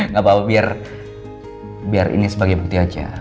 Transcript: bapak biar ini sebagai bukti aja